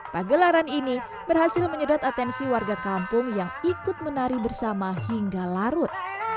pagelaran ini berhasil menyedot atensi warga kampung yang ikut menari bersama hingga larut